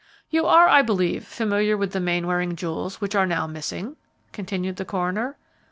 "You are, I believe, familiar with the Mainwaring jewels which are now missing?" continued the coroner.